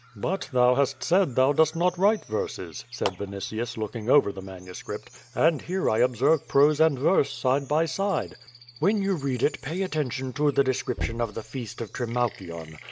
"But thou hast said thou dost not write verses," said Vini tius looking over the manuscript, "and here I observe prose and verse side by side." 'TVTien you read it pay attention to the description of the feast of Trimalchion.